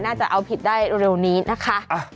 จะเอาผิดได้เร็วนี้นะคะ